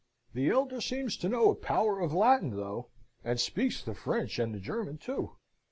"The elder seems to know a power of Latin, though, and speaks the French and the German too.